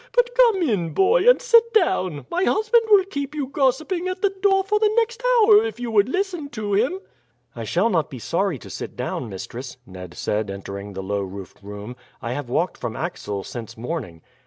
But come in, boy, and sit down; my husband will keep you gossiping at the door for the next hour if you would listen to him." "I shall not be sorry to sit down, mistress," Ned said entering the low roofed room. "I have walked from Axel since morning."